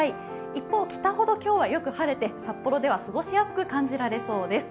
一方、北ほど昨日はよく晴れて、札幌では過ごしやすく感じられそうです。